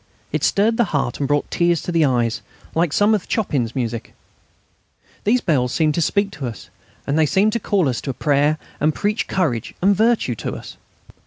It stirred the heart and brought tears to the eyes, like some of Chopin's music. Those bells seemed to speak to us, they seemed to call us to prayer and preach courage and virtue to us.